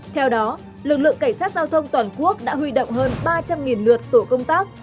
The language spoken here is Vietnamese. theo đó lực lượng cảnh sát giao thông toàn quốc đã huy động hơn ba trăm linh lượt tổ công tác